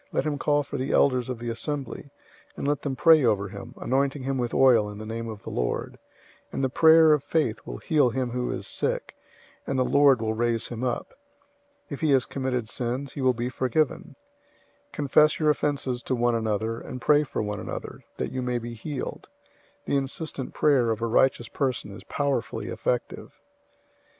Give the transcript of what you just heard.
Let him call for the elders of the assembly, and let them pray over him, anointing him with oil in the name of the Lord, 005:015 and the prayer of faith will heal him who is sick, and the Lord will raise him up. If he has committed sins, he will be forgiven. 005:016 Confess your offenses to one another, and pray for one another, that you may be healed. The insistent prayer of a righteous person is powerfully effective.